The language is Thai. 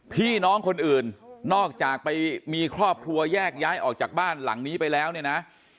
พี่น้องคนอื่นนอกจากไปมีครอบครัวแยกย้ายออกจากบ้านหลังนี้ไปแล้วเนี่ยนะ